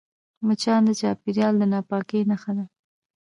مچان د چاپېریال د ناپاکۍ نښه ده